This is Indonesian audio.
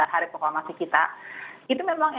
hari proklamasi kita itu memang